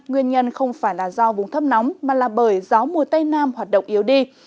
nguyên nhân không phải là do vùng thấp nóng mà là bởi gió mùa tây nam hoạt động yếu đi